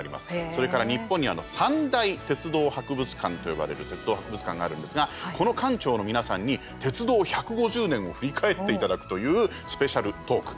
それから日本に３大鉄道博物館と呼ばれる鉄道博物館があるんですがこの館長の皆さんに鉄道１５０年を振り返っていただくというスペシャルトーク。